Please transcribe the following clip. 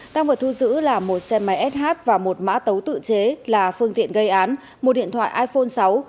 tăng vật thu giữ là một xe máy sh và một mã tấu tự chế là phương tiện gây án một điện thoại iphone sáu